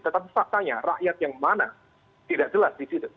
tetapi faktanya rakyat yang mana tidak jelas disitu